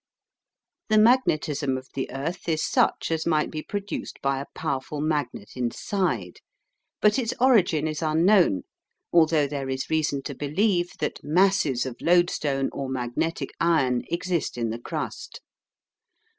The magnetism of the earth is such as might be produced by a powerful magnet inside, but its origin is unknown, although there is reason to believe that masses of lodestone or magnetic iron exist in the crust.